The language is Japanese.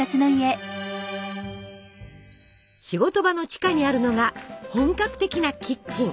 仕事場の地下にあるのが本格的なキッチン。